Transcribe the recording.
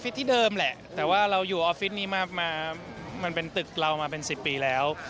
แต่ว่าเราอยู่ออฟฟิศนี่มาเป็นตึกเรามาเป็น๑๐ปีแล้ว